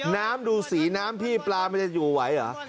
ดูสีน้ำพี่ปลามันจะอยู่ไหวเหรอ